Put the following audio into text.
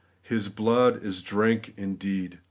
' His blood is drink indeed.'